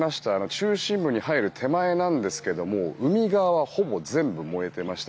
中心部に入る手前ですが海側はほぼ全部燃えていました。